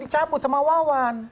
dicabut sama wawan